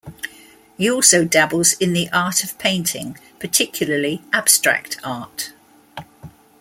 He also dabbles in the art of painting, particularly abstract art.